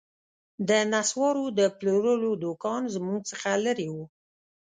د نسوارو د پلورلو دوکان زموږ څخه لیري و